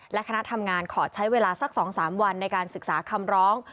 และคณะทำงานขอใช้เวลาสัก๒๓วันในการศึกษาคำร้อง